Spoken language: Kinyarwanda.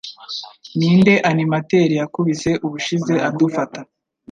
Ninde animateur yakubise ubushize adufata?